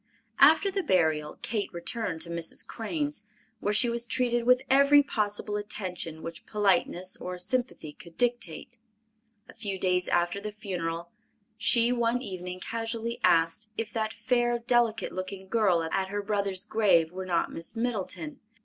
After the burial Kate returned to Mrs. Crane's, where she was treated with every possible attention which politeness or sympathy could dictate. A few days after the funeral she one evening casually asked, if that fair, delicate looking girl at her brother's grave were not Miss Middleton?